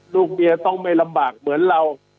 ลูกเมียต้องไม่ลำบากเหมือนเรา